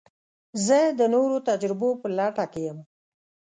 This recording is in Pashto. زه د نوو تجربو په لټه کې یم.